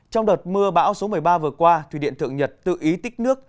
trong đợt mưa bão số một mươi ba vừa qua thủy điện thượng nhật tự ý tích nước